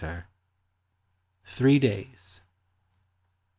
THREE DAYS.